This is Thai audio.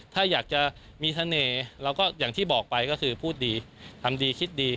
ถ้าอยากจะมีเสน่ห์เราก็อย่างที่บอกไปก็คือพูดดีทำดีคิดดี